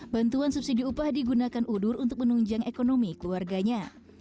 bantuan subsidi upah digunakan udur untuk menunjang ekonomi keluarganya